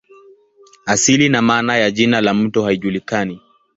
Asili na maana ya jina la mto haijulikani.